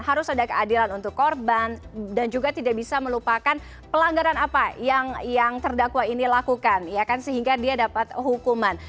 harus ada keadilan untuk korban dan juga tidak bisa melupakan pelanggaran apa yang terdakwa ini lakukan ya kan sehingga dia dapat hukuman